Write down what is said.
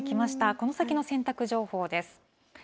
この先の洗濯情報です。